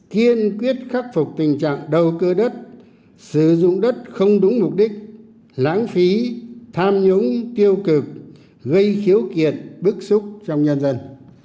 kiên quyết khắc phục tình trạng đầu cơ đất sử dụng đất không đúng mục đích lãng phí tham nhũng tiêu cực gây khiếu kiện bức xúc trong nhân dân